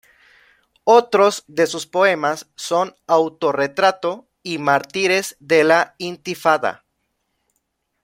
Otros de sus poemas son ""Autorretrato"" y ""Mártires de la Intifada"".